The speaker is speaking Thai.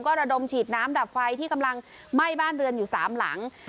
ระดมฉีดน้ำดับไฟที่กำลังไหม้บ้านเรือนอยู่๓หลัง